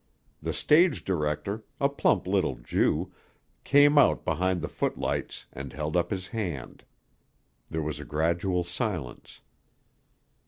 the stage director, a plump little Jew, came out behind the footlights and held up his hand. There was a gradual silence.